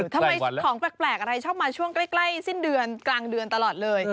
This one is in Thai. ทำไมของแปลกอะไรชอบมาช่วงใกล้สิ้นเดือนกลางเดือนตลอดเลย